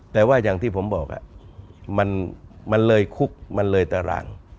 แต่ว่าอย่างที่ผมบอกมันเลยคุกมันเลยตาราง